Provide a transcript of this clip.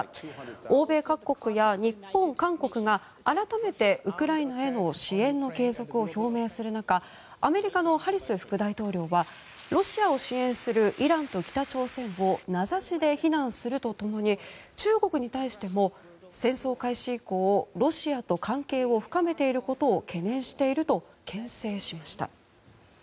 欧米各国や日本、韓国が改めてウクライナへの支援の継続を表明する中アメリカのハリス副大統領はロシアを支援するイランと北朝鮮を名指しで非難するとともに中国に対しても、戦争開始以降ロシアと関係を深めていることを懸念しているとけん制しました。